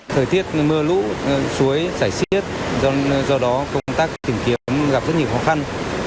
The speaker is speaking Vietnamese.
thời tiết mưa lũ suối giải siết do đó công tác tìm kiếm gặp rất nhiều khó khăn